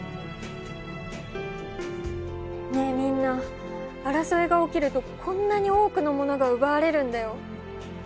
ねえみんな争いが起きるとこんなに多くのものが奪われるんだよ。